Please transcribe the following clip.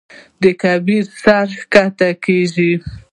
د کبر سر ښکته کېږي.